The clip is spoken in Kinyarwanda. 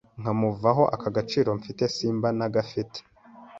nkamuvaho aka gaciro mfite simba nagafite ,